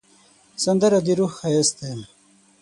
سندره د روح ښایست دی